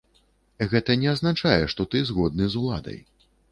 Гэта не азначае, што ты згодны з уладай.